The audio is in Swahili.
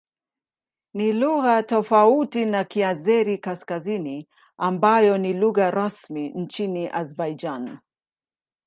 Ni lugha tofauti na Kiazeri-Kaskazini ambayo ni lugha rasmi nchini Azerbaijan.